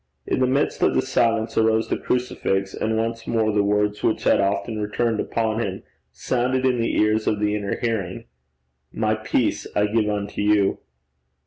In the midst of the silence arose the crucifix, and once more the words which had often returned upon him sounded in the ears of the inner hearing, 'My peace I give unto you.'